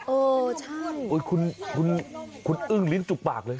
เออใช่คุณอึ้งลิ้นจุกปากเลย